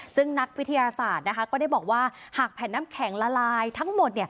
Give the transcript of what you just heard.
ซึ่งนักวิทยาศาสตร์ก็ได้บอกว่าหากแผ่นน้ำแข็งละลายทั้งหมด